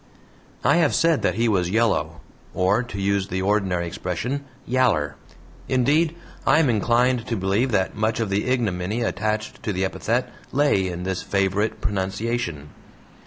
I have said that he was yellow or, to use the ordinary expression, "yaller." Indeed, I am inclined to believe that much of the ignominy attached to the epithet lay in this favorite pronunciation.